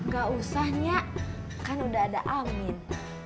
gak usah nyak kan udah ada amin